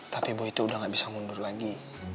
tapi bu itu udah gak bisa mundur lagi